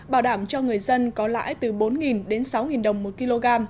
bảo đảm cho người dân có lãi từ bốn đến sáu đồng một kg